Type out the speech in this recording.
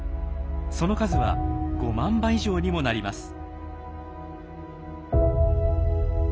その数は５万羽以上にもなります。